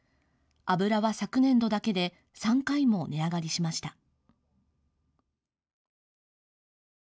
油は昨年度だけで３回も値上がりしました。